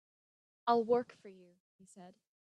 "I'll work for you," he said.